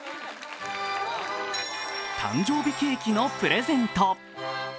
誕生日ケーキのプレゼント。